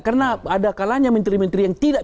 karena ada kalanya menteri menteri yang tidak